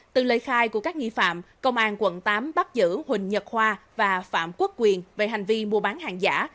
từ lời khai của các nghi phạm công an quận tám bắt giữ huỳnh nhật hoa và phạm quốc quyền về hành vi mua bán hàng giả